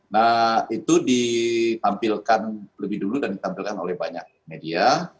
nah itu ditampilkan lebih dulu dan ditampilkan oleh banyak media